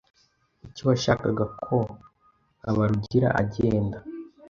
Kuki washakaga ko Habarugira agenda?